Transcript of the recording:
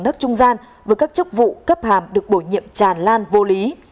đất trung gian với các chức vụ cấp hàm được bổ nhiệm tràn lan vô lý